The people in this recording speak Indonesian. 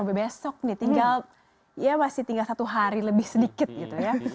sampai besok nih tinggal ya masih tinggal satu hari lebih sedikit gitu ya